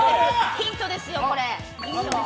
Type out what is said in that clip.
ヒントですよ、これ。